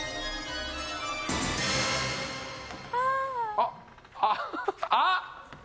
あっあっ！